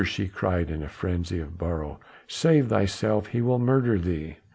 she cried in a frenzy of sorrow. "Save thyself! he will murder thee!"